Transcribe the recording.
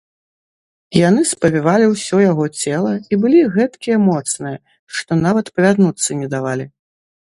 Яны спавівалі ўсё яго цела і былі гэткія моцныя, што нават павярнуцца не давалі.